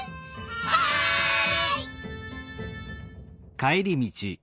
はい！